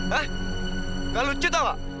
hah gak lucu tau gak